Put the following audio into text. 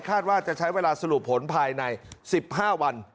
ว่าจะใช้เวลาสรุปผลภายใน๑๕วัน